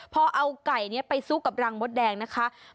พอเอาไก่นี้ไปสู้กับรังมดแดงนะคะ